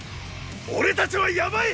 俺たちはやばい！